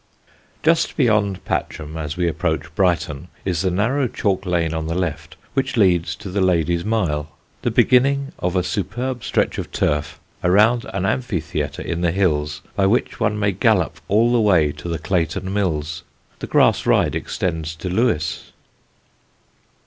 Just beyond Patcham, as we approach Brighton, is the narrow chalk lane on the left which leads to the Lady's Mile, the beginning of a superb stretch of turf around an amphitheatre in the hills by which one may gallop all the way to the Clayton mills. The grass ride extends to Lewes.